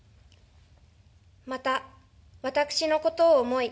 また、私のことを思い